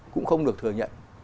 cũng không được thừa nhận